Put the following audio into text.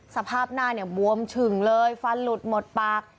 สภาพหน้าเนี่ยบวมฉึ่งเลยฟันหลุดหมดปาก